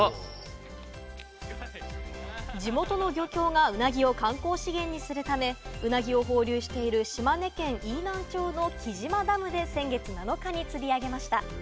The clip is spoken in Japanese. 地元の漁協がウナギを観光資源にするため、ウナギを放流している、島根県飯南町の来島ダムで先月７日に釣り上げました。